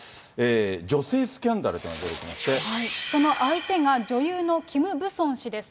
女性スキャンダルというのが出てその相手が、女優のキム・ブソン氏です。